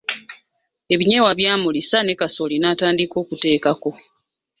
Ebinyeebwa byamulisa ne kasooli n’atandika okuteekako.